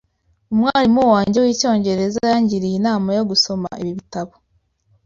Umwarimu wanjye wicyongereza yangiriye inama yo gusoma ibi bitabo.